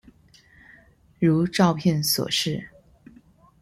如照片所示